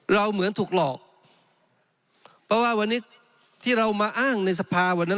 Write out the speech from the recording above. เหมือนถูกหลอกเพราะว่าวันนี้ที่เรามาอ้างในสภาวันนั้น